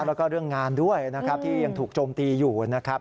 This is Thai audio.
แล้วก็เรื่องงานด้วยนะครับที่ยังถูกโจมตีอยู่นะครับ